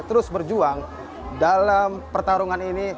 terus berjuang dalam pertarungan ini